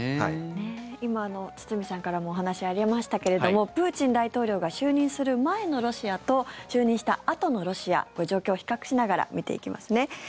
今、堤さんからもお話がありましたがプーチン大統領が就任する前のロシアと就任したあとのロシア状況を比較しながら見ていきますね。